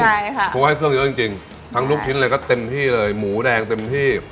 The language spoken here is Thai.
ใช่ค่ะเพราะว่าให้เครื่องเยอะจริงจริงทั้งลูกชิ้นเลยก็เต็มที่เลยหมูแดงเต็มที่